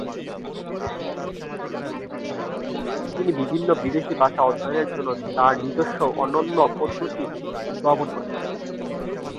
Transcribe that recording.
তিনি বিভিন্ন বিদেশি ভাষা অধ্যয়নের জন্য তাঁর নিজস্ব অনন্য পদ্ধতি উদ্ভাবন করেন।